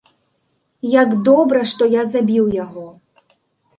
Як добра, што я забіў яго.